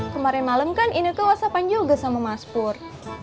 kemarin malem kan ineke whatsapan juga sama mas pur